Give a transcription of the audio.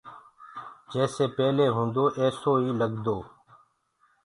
جيسي پيلي هوندو ايسو ئي لگدو